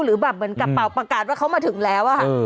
หรือแบบเหมือนกระเป๋าประกาศว่าเขามาถึงแล้วอะค่ะ